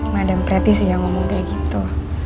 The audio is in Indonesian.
madam prati sih yang ngomong kayak gitu